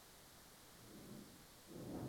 San Epifanio está enterrado en ábside sur.